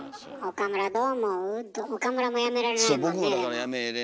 岡村もやめられないもんねでも。